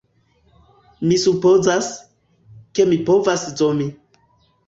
Mi supozas, ke mi povas zomi